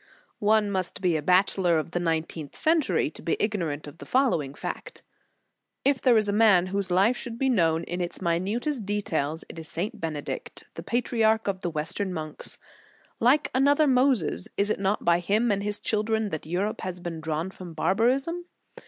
* One must be a Bachelor of the nineteenth century to be ignorant of the following fact. If there is a man whose life should be known in its minutest details, it is St. Bene dict, the patriarch of the Western monks. Like another Moses, is it not by him and his children that Europe has been drawn from barbarism